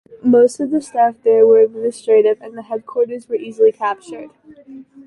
Most of the staff there were administrative and the headquarters were easily captured.